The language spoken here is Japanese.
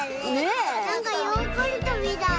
なんかヨーグルトみたい。